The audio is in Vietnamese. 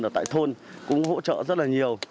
ở tại thôn cũng hỗ trợ rất là nhiều